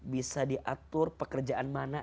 bisa diatur pekerjaan mana